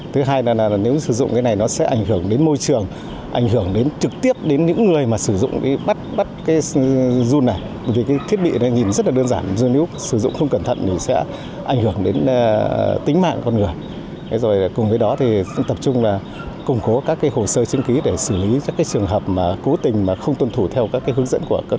thứ hai là nếu sử dụng cái này nó sẽ ảnh hưởng đến môi trường